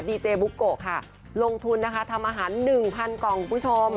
ดีเจบุ๊คโกะค่ะลงทุนทำอาหาร๑๐๐๐กล่องคุณผู้ชม